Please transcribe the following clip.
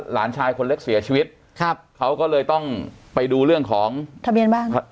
หลานชายคนเล็กเสียชีวิตครับเขาก็เลยต้องไปดูเรื่องของทะเบียนบ้าน